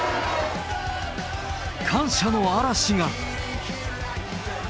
感謝の嵐が。